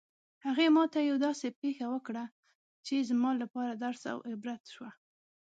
هغې ما ته یوه داسې پېښه وکړه چې زما لپاره درس او عبرت شوه